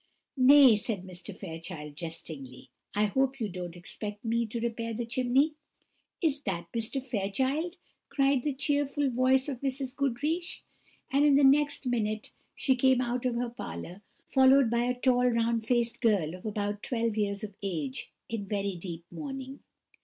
"Nay," said Mr. Fairchild, jestingly, "I hope you don't expect me to repair the chimney." "Is that Mr. Fairchild?" cried the cheerful voice of Mrs. Goodriche; and the next minute she came out of her parlour, followed by a tall round faced girl of about twelve years of age, in very deep mourning.